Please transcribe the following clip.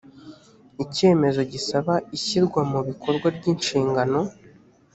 icyemezo gisaba ishyirwa mu bikorwa ry’inshingano